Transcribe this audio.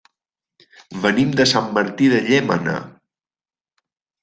Venim de Sant Martí de Llémena.